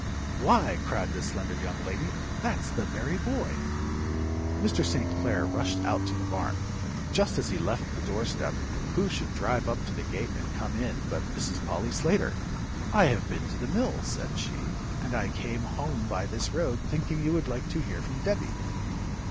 "Why," cried the slender young lady, "that's the very boy!" Mr. St. Clair rushed out to the barn. Just as he left the door step who should drive up to the gate and come in but Mrs. Polly Slater. "I have been to the mill," said she, "and I came home by this road, thinking you would like to hear from Debby."